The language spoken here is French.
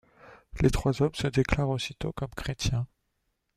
Les trois hommes se déclarent aussitot comme chrétiens.